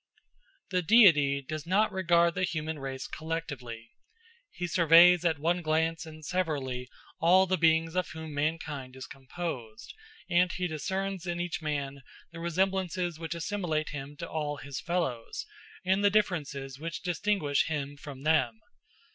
The Deity does not regard the human race collectively. He surveys at one glance and severally all the beings of whom mankind is composed, and he discerns in each man the resemblances which assimilate him to all his fellows, and the differences which distinguish him from them.